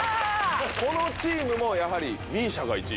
このチームもやはりＭＩＳＩＡが１位。